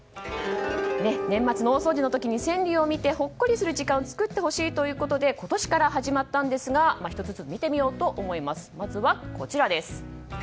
年末の大掃除の時に川柳を見てほっこりする時間を作ってほしいということで今年から始まったんですが１つずつ見ていこうと思います。